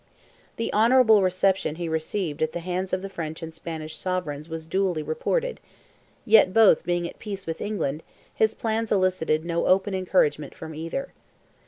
The honourable reception he received at the hands of the French and Spanish Sovereigns was duly reported; yet both being at peace with England, his plans elicited no open encouragement from either.